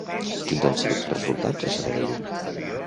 Quins han sigut els resultats a Sabadell?